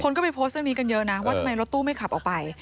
คนก็ไปโพสต์เรื่องนี้กันเยอะนะว่าทำไมรถตู้ไม่ขับออกไป